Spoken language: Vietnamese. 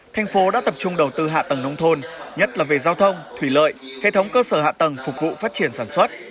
thành phố đã tập trung đầu tư hạ tầng nông thôn nhất là về giao thông thủy lợi hệ thống cơ sở hạ tầng phục vụ phát triển sản xuất